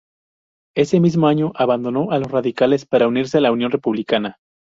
Ese mismo año abandonó a los radicales para unirse a Unión Republicana.